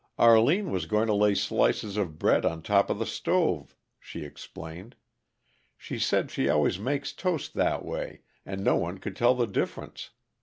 "Arline was going to lay slices of bread on top of the stove," she explained. "She said she always makes toast that way, and no one could tell the difference!